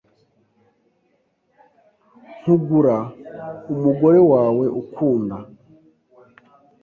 Nkugura umugore wawe ukunda